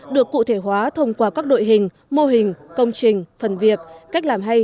được cụ thể hóa thông qua các đội hình mô hình công trình phần việc cách làm hay